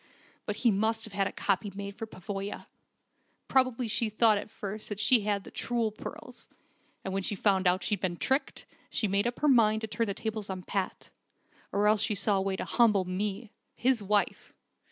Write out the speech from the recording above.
But he must have had this copy made for Pavoya. Probably she thought at first that she had the true pearls, and when she found out how she'd been tricked, she made up her mind to turn the tables on Pat. Or else she saw a way to humble me his wife.